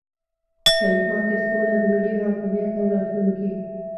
تلپاتې سوله د ملي حاکمیت او راتلونکي